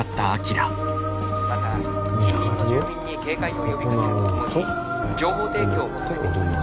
また近隣の住民に警戒を呼びかけるとともに情報提供を求めています」。